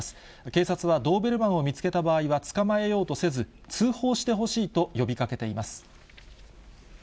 警察はドーベルマンを見つけた場合は捕まえようとせず、通報してほしいと呼びかけています。